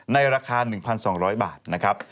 ในราคา๑๒๐๐บาทนะครับ